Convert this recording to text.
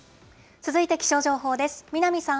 続いて気象情報です。